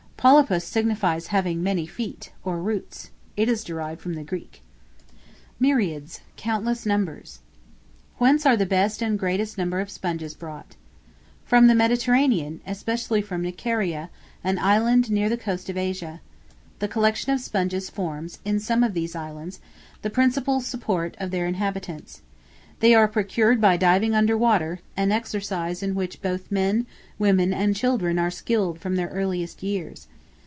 Polypus signifies having many feet, or roots; it is derived from the Greek. Myriads, countless numbers. Whence are the best and greatest number of Sponges brought? From the Mediterranean, especially from Nicaria, an island near the coast of Asia: the collection of sponges forms, in some of these islands, the principal support of their inhabitants. They are procured by diving under water, an exercise in which both men, women, and children are skilled from their earliest years.